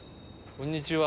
こんにちは。